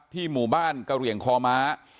หมู่บ้านกะเหลี่ยงคอม้า